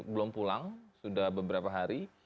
belum pulang sudah beberapa hari